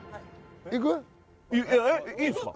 いいんすか？